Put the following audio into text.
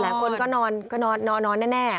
หลายคนก็นอนก็นอนแน่